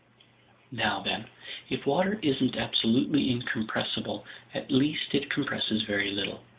"Now then, if water isn't absolutely incompressible, at least it compresses very little.